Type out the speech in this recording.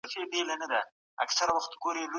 که تقوی نه وي نو مشري هم نسته.